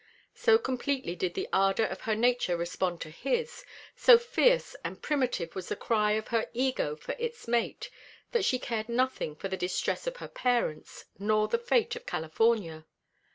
So completely did the ardor of her nature respond to his, so fierce and primitive was the cry of her ego for its mate, that she cared nothing for the distress of her parents nor the fate of California.